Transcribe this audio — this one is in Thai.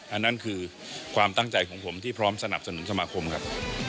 อันนั้นคือความตั้งใจของผมที่พร้อมสนับสนุนสมาคมครับ